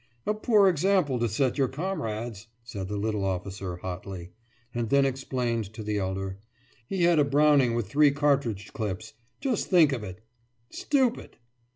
A poor example to set your comrades!« said the little officer, hotly; and then explained to the elder: »He had a Browning with three cartridge clips. Just think of it! Stupid!